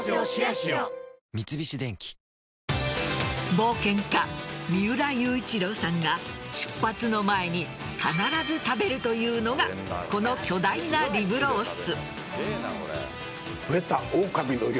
冒険家・三浦雄一郎さんが出発の前に必ず食べるというのがこの巨大なリブロース。